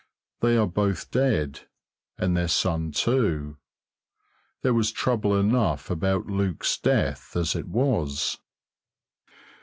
They are both dead, and their son, too. There was trouble enough about Luke's death, as it was.